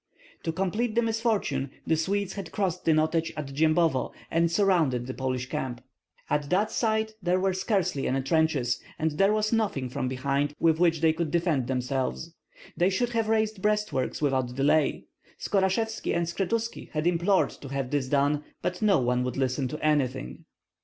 To complete the misfortune, the Swedes had crossed the Notets at Dzyembovo and surrounded the Polish camp. At that side there were scarcely any trenches, and there was nothing from behind which they could defend themselves. They should have raised breastworks without delay. Skorashevski and Skshetuski had implored to have this done, but no one would listen to anything.